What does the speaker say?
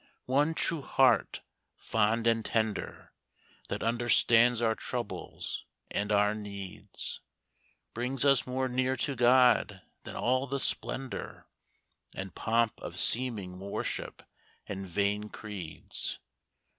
one true heart, fond and tender, That understands our troubles and our needs, Brings us more near to God than all the splendor And pomp of seeming worship and vain creeds.